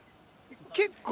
結構。